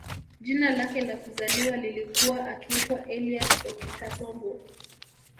Jina lake la kuzaliwa lilikuwa akiitwa Elias OkitAsombo